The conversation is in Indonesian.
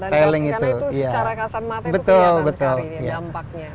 karena itu secara kasar mata kelihatan sekali ya dampaknya